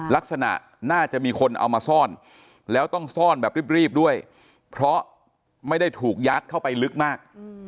ลักษณะน่าจะมีคนเอามาซ่อนแล้วต้องซ่อนแบบรีบด้วยเพราะไม่ได้ถูกยัดเข้าไปลึกมาก